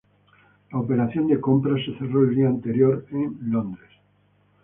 La operación de compra se cerró el día anterior en Londres.